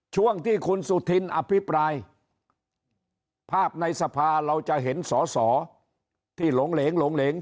ช่วงที่คุณสุธินอภิปรายภาพในสภาเราจะเห็นสอสอที่หลงเหลง